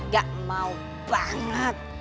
gak mau banget